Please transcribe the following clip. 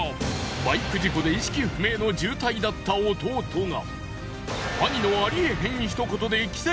バイク事故で意識不明の重体だった弟が。